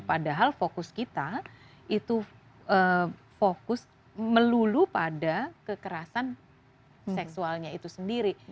padahal fokus kita itu fokus melulu pada kekerasan seksualnya itu sendiri